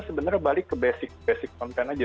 sebenarnya balik ke basic basic content aja